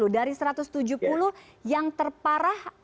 dari satu ratus tujuh puluh yang terparah